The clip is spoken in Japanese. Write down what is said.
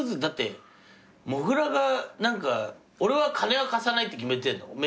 だってもぐらが俺は金は貸さないって決めてんの。